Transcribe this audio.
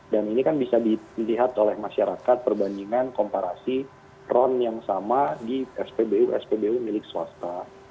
dan ini kan bisa dilihat oleh masyarakat perbandingan komparasi ron yang sama di spbu spbu milik swasta